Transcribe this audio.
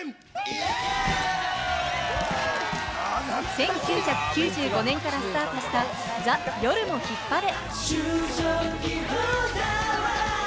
１９９５年からスタートした『ＴＨＥ夜もヒッパレ』。